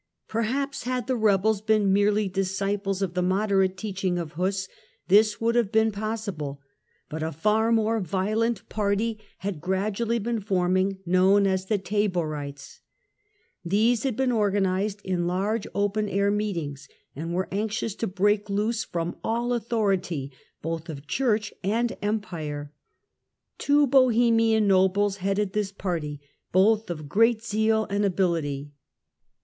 Perhaps had the rebels been merely disciples of the moderate teaching of Huss, this would have been pos sible ; but a far more violent party had gradually been forming, known as Taborites. These had been organised in large open air meetings and were anxious to break loose from all authority both of Church and Empire. Hussite Two Bohemian nobles headed this party, both of great ^'''''^^''^ zeal and ability.